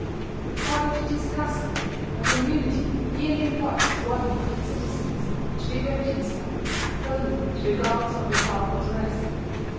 According to this custom a community yearly appoints one of its citizens to devote himself wholly to the gods on behalf of the rest.